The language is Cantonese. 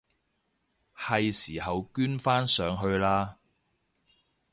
係時候捐返上去喇！